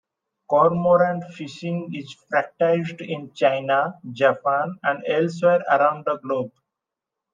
Cormorant fishing is practised in China, Japan, and elsewhere around the globe.